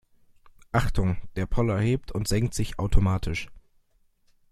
Achtung, der Poller hebt und senkt sich automatisch.